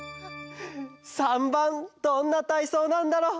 ３ばんどんなたいそうなんだろう？